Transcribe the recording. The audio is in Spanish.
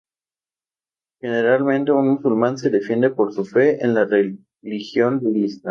Generalmente, un musulmán se define por su fe en la religión del Islam.